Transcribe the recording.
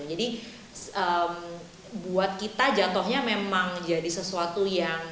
jadi buat kita jantohnya memang jadi sesuatu yang